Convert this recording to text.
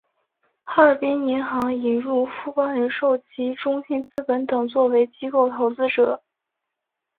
哈尔滨银行引入富邦人寿及中信资本等作为机构投资者。